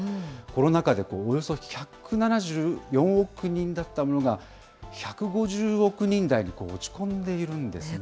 コロナ禍でおよそ１７４億人だったものが、１５０億人台に落ち込んでいるんですね。